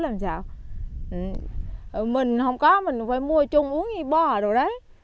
mình không có mình phải mua chung uống như bò đồ đấy